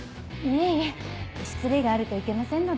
いえいえ失礼があるといけませんので。